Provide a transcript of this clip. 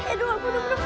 aduh ampun ampun